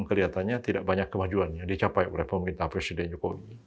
kelihatannya tidak banyak kemajuan yang dicapai oleh pemerintah presiden jokowi